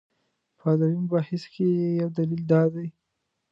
په ادبي مباحثو کې یې یو دلیل دا دی.